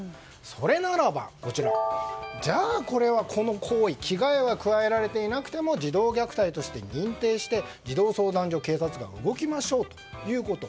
それならば、この行為は危害は加えられていなくても児童虐待として認定して児童相談所、警察が動きましょうということ。